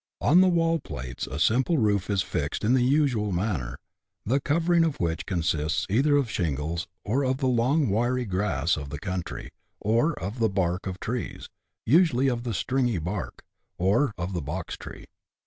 On the wall plates a simple roof is fixed in the usual manner, the covering of which consists either of shingles, or of the long wiry grass of the country, or of the bark of trees, usually of the " stringy bark," or of the box tree.